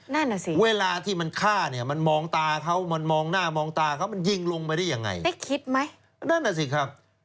นั่นน่ะสิเวลาที่มันฆ่าเนี่ยมันมองตาเขามันมองหน้ามองตาเขามันยิงลงไปได้ยังไงได้คิดไหมนั่นน่ะสิครับ